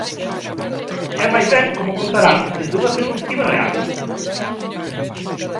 É máis ben como contar algo desde unha perspectiva real.